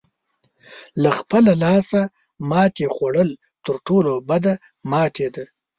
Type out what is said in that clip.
له خپله لاسه ماتې خوړل تر ټولو بده ماتې ده.